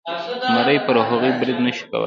زمري پر هغوی برید نشو کولی.